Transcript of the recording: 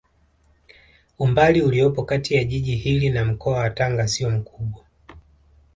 Umbali uliopo kati ya jiji hili na mkoa wa Tanga sio mkubwa